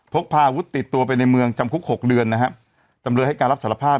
พกพาอาวุธติดตัวไปในเมืองจำคุกหกเดือนนะฮะจำเลยให้การรับสารภาพ